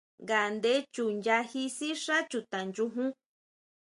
Ngandé chu nyají sixá chuta nchujun.